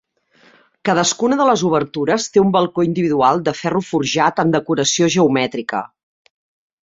Cadascuna de les obertures, té un balcó individual de ferro forjat amb decoració geomètrica.